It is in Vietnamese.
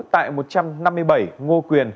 tại một trăm năm mươi bảy ngo quyền